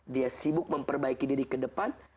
dia sibuk memperbaiki diri ke depan